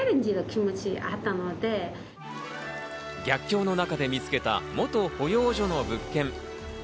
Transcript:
逆境の中で見つけた元保養所の物件。